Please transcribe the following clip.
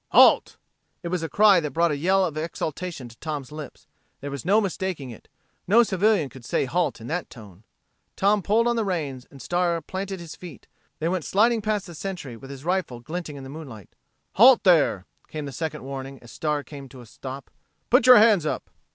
"Halt!" It was a cry that brought a yell of exultation to Tom's lips. There was no mistaking it. No civilian could say halt in that tone. Tom pulled on the reins and Star planted his feet; they went sliding past the Sentry with his rifle glinting in the moonlight. "Halt there!" came the second warning as Star came to a stop. "Put your hands up!"